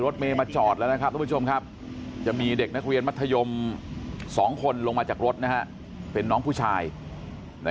เด็กนักเรียนมัธยมลงจากรถเมล์ในกรุงเทพฯ